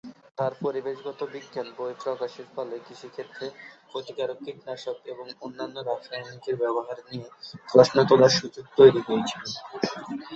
তার পরিবেশগত বিজ্ঞান বই প্রকাশের ফলে কৃষিক্ষেত্রে ক্ষতিকারক কীটনাশক এবং অন্যান্য রাসায়নিকের ব্যবহার নিয়ে প্রশ্ন তোলার সুযোগ তৈরি হয়েছিল।